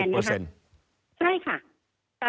เดือนละ๓๐